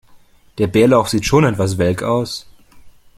Der Bärlauch sieht schon etwas welk aus.